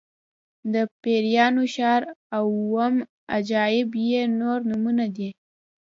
د پیریانو ښار او اووم عجایب یې نور نومونه دي.